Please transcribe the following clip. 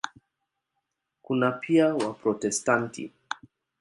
Kuna pia Waprotestanti.